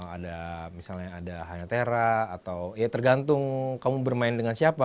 ada misalnya ada hanya tera atau ya tergantung kamu bermain dengan siapa